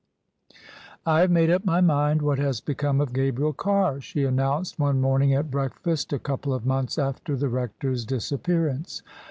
" I have made up my mind what has become of Gabriel Carr," she announced one morning at breakfast, a couple of months after the Rector's disappearance.